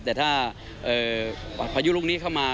แต่ถ้าพายุลูกนี้เข้ามา